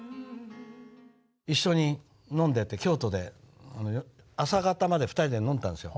一緒に飲んでて京都で朝方まで２人で飲んでたんですよ。